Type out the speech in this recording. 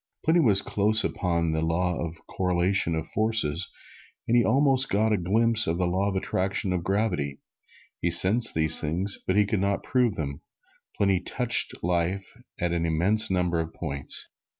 Pliny was close upon the Law of the Correlation of Forces, and he almost got a glimpse of the Law of Attraction or Gravitation. He sensed these things, but could not prove them. Pliny touched life at an immense number of points.